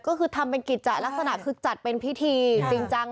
ก็คือทำเป็นกิจจะลักษณะคือจัดเป็นพิธีจริงจัง